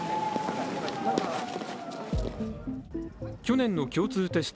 去年の共通テスト